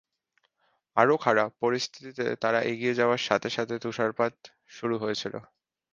আরও খারাপ, পরিস্থিতিতে তারা এগিয়ে যাওয়ার সাথে সাথে তুষারপাত শুরু হয়েছিল।